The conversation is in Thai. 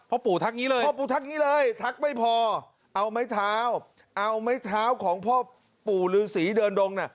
พ่อปู่ทักอย่างนี้เลยพ่อปู่ทักอย่างนี้เลยทักไม่พอเอาไม้เท้าเอาไม้เท้าของพ่อปู่ฤษีเดินดงน่ะ